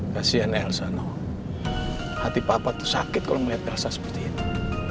kasian elsa noh hati papa tuh sakit kalau melihat elsa seperti itu